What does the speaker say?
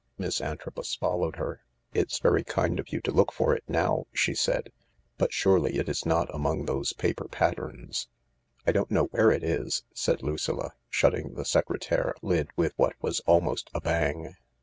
Miss Antrobus followed her. " It's very kind of you to look for it now," she said ;" but surely it's not among those paper patterns ?"" I don't know where it is," said Lucilla/ shutting the secretaire lid with what was almost a bang.